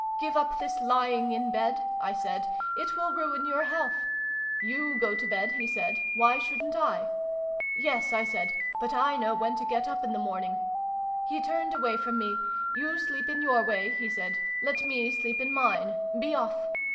' Give up this lying in bed,' I said, ' It will ruin your health /'' You go to bed 1 , he said: ' why shouldnt I ?'' Yes,' I said, 'but I know when to get up in the morning' He turned away from me. ' You sleep in your way,' he said :' let me sleep in mine. Be off